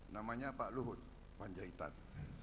namanya pak luhut panjaitan